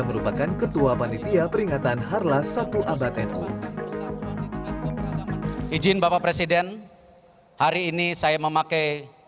merupakan ketua panitia peringatan harla satu abad itu ijin bapak presiden hari ini saya memakai